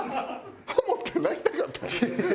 ハモって泣きたかったん？